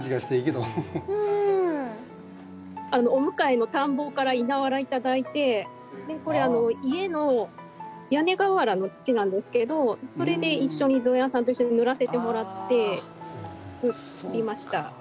お向かいの田んぼから稲わら頂いてこれ家の屋根瓦の土なんですけどそれで一緒に一緒に塗らせてもらって作りました。